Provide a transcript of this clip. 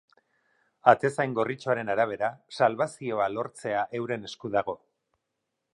Atezain gorritxoaren arabera salbazioa lortzea euren esku dago.